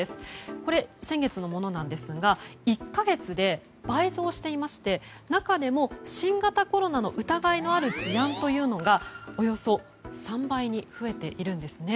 これ、先月のものなんですが１か月で倍増していまして中でも新型コロナの疑いのある事案というのがおよそ３倍に増えているんですね。